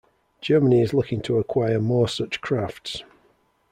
Germany is looking to acquire more such crafts.